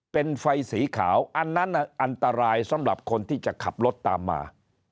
เป็นไฟสีขาวอันนั้นอันตรายสำหรับคนที่จะขับรถตามมา